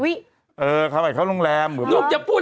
เป็นการกระตุ้นการไหลเวียนของเลือด